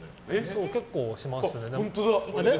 結構しますね。